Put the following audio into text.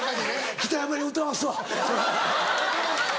北山に歌わすわそれ。